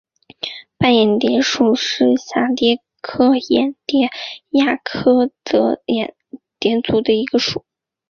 斑眼蝶属是蛱蝶科眼蝶亚科帻眼蝶族中的一个属。